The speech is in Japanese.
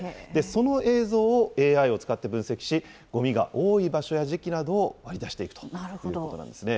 その映像をＡＩを使って分析し、ごみが多い場所や時期などを割り出していくということなんですね。